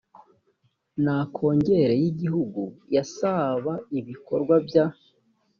na kongere y igihugu ya saab ibikorwa bya